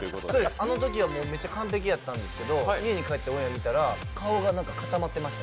あのときはめちゃ完璧やったんですけど、家帰ってオンエア見たら顔が固まってました。